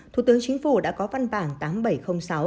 thủ tướng chính phủ đã có văn bản tám trăm bảy mươi bốn